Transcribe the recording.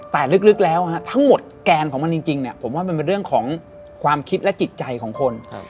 แต่ลึกแล้วทั้งหมดแกนของมันจริงผมว่ามันเป็นเรื่องของความคิดและจิตใจของคน